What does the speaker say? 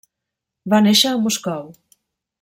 Va néixer a Moscou.